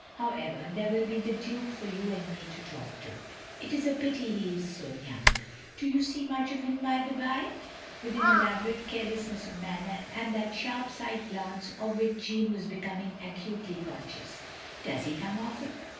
How ever, there will be the Duke for you and me to talk to. It is a pity he is so young. Do you Bee much of him, by the bye?" with an elaborate carelessness of manner and that sharp side glance of which Jeanne was becoming acutely conscious. "Does he come often?"